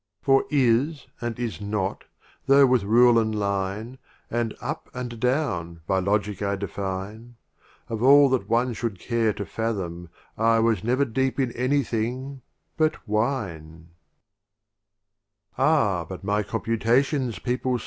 LVI. For "Is" and "Is not" though with Rule and Line And "Up and down" by Logic I define, Of all that one should care to fathom, I Was never deep in anything but — Wine.